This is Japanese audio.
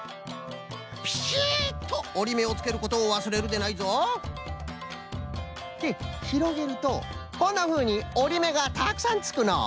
ピシッとおりめをつけることをわすれるでないぞ！でひろげるとこんなふうにおりめがたくさんつくのう？